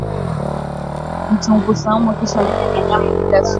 Ongeza vitunguu swaumu kisha nyanya na nyama bila supu